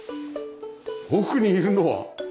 奥にいるのは。